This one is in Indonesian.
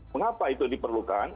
mengapa itu diperlukan